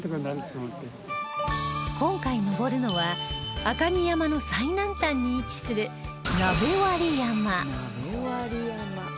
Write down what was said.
今回登るのは赤城山の最南端に位置する鍋割山鍋割山。